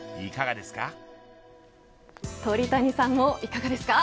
鳥谷さんもいかがですか。